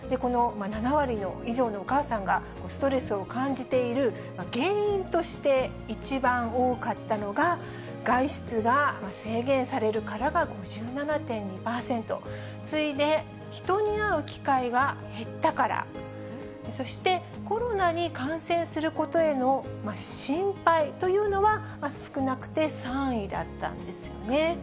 ７割以上のお母さんがストレスを感じている原因として一番多かったのが、外出が制限されるからが５７．２％、次いで人に会う機会が減ったから、そしてコロナに感染することへの心配というのは少なくて３位だったんですよね。